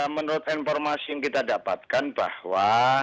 menurut informasi yang kita dapatkan bahwa